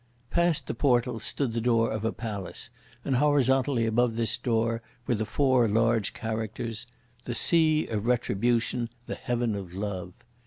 Past the Portal stood the door of a Palace, and horizontally, above this door, were the four large characters: "The Sea of Retribution, the Heaven of Love."